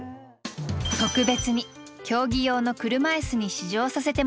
特別に競技用の車いすに試乗させてもらいます。